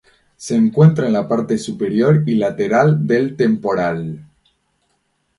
Se encuentra en la parte superior y lateral del temporal.